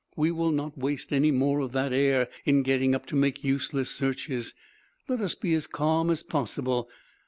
We will not waste any more of that air in getting up to make useless searches. Let us be as calm as possible.